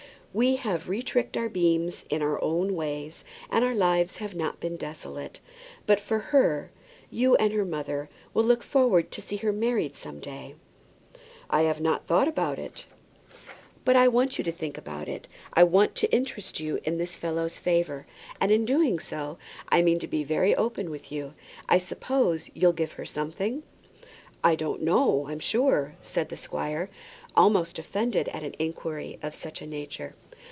"We have retricked our beams in our own ways, and our lives have not been desolate. But for her, you and her mother will look forward to see her married some day." "I have not thought about it." "But I want you to think about it. I want to interest you in this fellow's favour; and in doing so, I mean to be very open with you. I suppose you'll give her something?" "I don't know, I'm sure," said the squire, almost offended at an inquiry of such a nature.